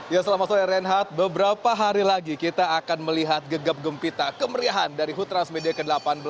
ya selamat sore renhat beberapa hari lagi kita akan melihat gegap gempita kemeriahan dari hood transmedia ke delapan belas